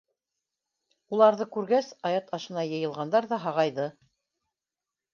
Уларҙы күргәс, аят ашына йыйылғандар ҙа һағайҙы.